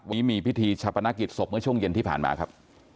วันนี้มีพิธีชาปนกิจศพเมื่อช่วงเย็นที่ผ่านมาครับ